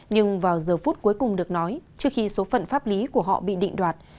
nhưng vào giờ phút cuối cùng được nói trước khi số phận pháp lý của họ bị định đoạt